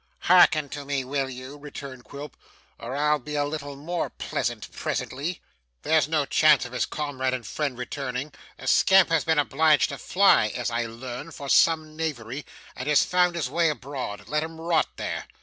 'Hearken to me, will you?' returned Quilp, 'or I'll be a little more pleasant, presently. There's no chance of his comrade and friend returning. The scamp has been obliged to fly, as I learn, for some knavery, and has found his way abroad. Let him rot there.